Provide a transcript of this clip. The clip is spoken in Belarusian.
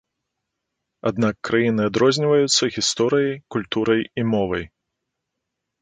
Аднак краіны адрозніваюцца гісторыяй, культурай і мовай.